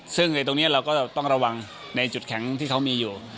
ซึ่งในตรงนี้เราก็ต้องระวังในจุดแข็งที่เขามีอยู่